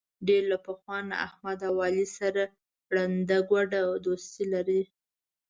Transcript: ډېر له پخوا نه احمد او علي سره ړنده ګوډه دوستي لري.